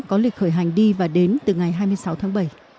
có lịch khởi hành đi và đến từ ngày hai mươi sáu tháng bảy